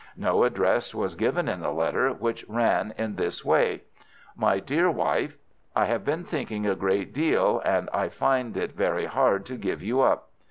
No address was given in the letter, which ran in this way:— "MY DEAR WIFE,— "I have been thinking a great deal, and I find it very hard to give you up.